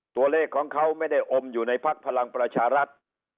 ตัวเลขของเขาไม่ได้อมอยู่ในพักพลังประชารัฐ